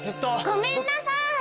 ごめんなさい！